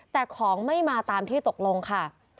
แต่ของไม่มาตามที่ตกลงค่ะ